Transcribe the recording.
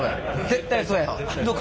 絶対そうや。